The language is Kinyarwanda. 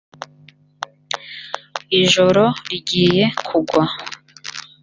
ijoro rigiye kugwa